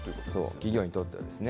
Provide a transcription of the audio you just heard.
企業にとってはですね。